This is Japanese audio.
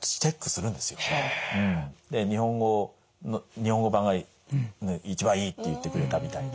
日本語版が一番いいって言ってくれたみたいで。